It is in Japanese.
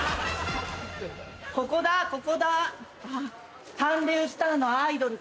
ここだここだ。